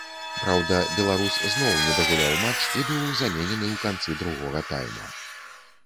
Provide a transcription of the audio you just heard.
Праўда, беларус зноў не дагуляў матч і быў заменены ў канцы другога тайма.